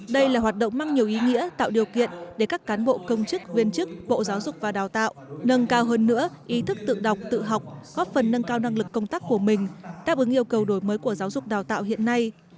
đây là hoạt động mang nhiều ý nghĩa tạo điều kiện để các cán bộ công chức viên chức bộ giáo dục và đào tạo nâng cao hơn nữa ý thức tự đọc tự học góp phần nâng cao năng lực công tác của mình đáp ứng yêu cầu đổi mới của giáo dục đào tạo hiện nay